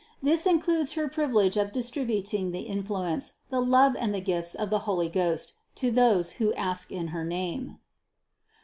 This includes her privilege of distributing the influence, the love and the gifts of the Holy Ghost to those who ask in her name.